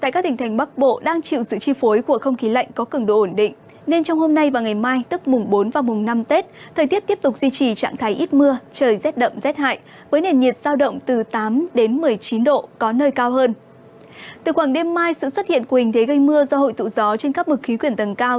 các bạn hãy đăng ký kênh để ủng hộ kênh của chúng mình nhé